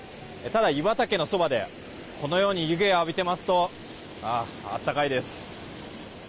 ただ、湯畑のそばでこのように湯気を浴びていますと暖かいです。